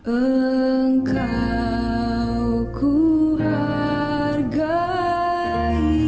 engkau ku hargai ini